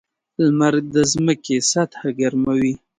• لمر د ځمکې سطحه ګرموي.